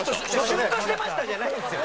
「シュッとしてました」じゃないんですよ！